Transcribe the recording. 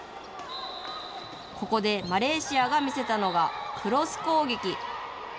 ここでマレーシアが見せたのがクロス攻撃。